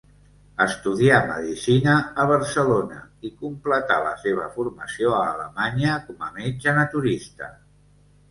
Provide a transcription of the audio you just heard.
Estudià medicina a Barcelona i completà la seva formació a Alemanya com a metge naturista.